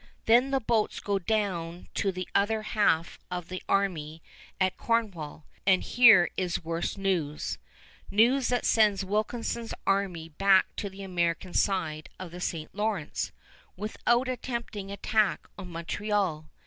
Then the boats go on down to the other half of the army at Cornwall, and here is worse news, news that sends Wilkinson's army back to the American side of the St. Lawrence without attempting attack on Montreal.